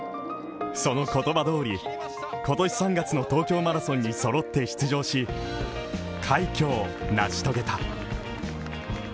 その言葉どおり、今年３月の東京マラソンにそろって出場し、快挙を成し遂げた。